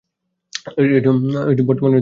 এটি বর্তমানে বিপন্ন উদ্ভিদ।